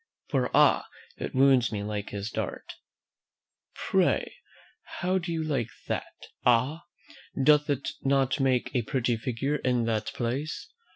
"'For, ah! it wounds me like his dart.' "Pray how do you like that Ah! doth it not make a pretty figure in that place?